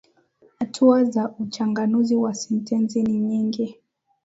Hatua za uchanganuzi wa sentensi ni nyingi.